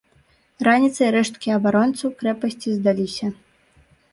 Раніцай рэшткі абаронцаў крэпасці здаліся.